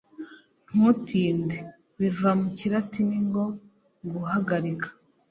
Ntutinde; biva mu kilatini ngo guhagarika